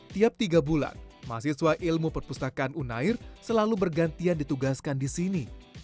tiap tiga bulan mahasiswa ilmu perpustakaan unair selalu bergantian ditugaskan di sini